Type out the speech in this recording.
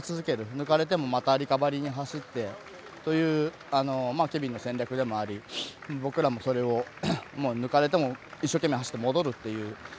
抜かれてもまたリカバリーに走ってケビンの戦略でもあり僕らも、それを抜かれても一生懸命走って戻るっていう。